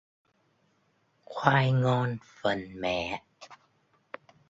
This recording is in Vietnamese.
Khoai ngon phần mẹ "